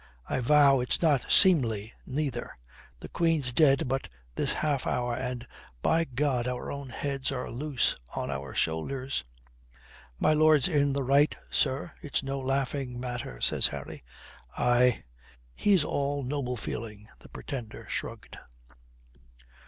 "I vow it's not seemly, neither. The Queen's dead but this half hour, and and, by God, our own heads are loose on our shoulders." "My lord's in the right, sir. It's no laughing matter," says Harry. "Aye, he's all noble feeling," the Pretender shrugged.